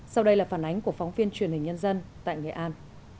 sau đây là phản ánh của phóng viên truyền hình nhân dân tại nghệ an